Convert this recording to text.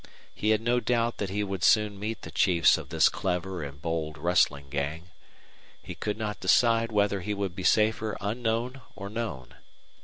He had no doubt that he would soon meet the chiefs of this clever and bold rustling gang. He could not decide whether he would be safer unknown or known.